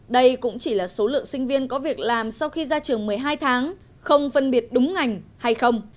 đây cũng chỉ là số lượng sinh viên có việc làm sau khi ra trường một mươi hai tháng không phân biệt đúng ngành hay không